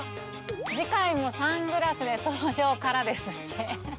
「次回もサングラスで登場から」ですって。